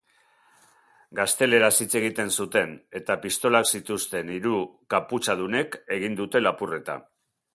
Gazteleraz hitz egiten zuten eta pistolak zituzten hiru kaputxadunek egin dute lapurreta.